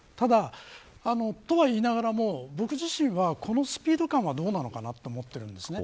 とはいいながらも僕自身はこのスピード感はどうなのかと思っているんです。